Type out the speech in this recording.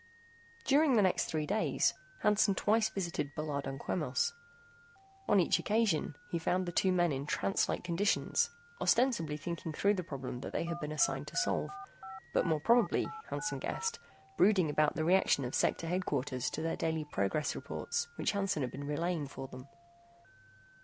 During the next three days, Hansen twice visited Bullard and Quemos. On each occasion, he found the two men in trance like conditions, ostensibly thinking through the problem that they had been assigned to solve, but more probably, Hansen guessed, brooding about the reaction of Sector Headquarters to their daily progress reports which Hansen had been relaying for them.